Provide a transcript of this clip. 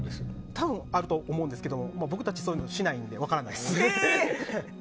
多分、あると思うんですけど僕たちそういうのをしないので分からないです。